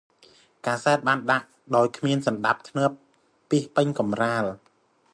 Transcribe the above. កាសែតបានដាក់ដោយគ្មានសណ្តាប់ធ្នាប់ពាសពេញកំរាល ។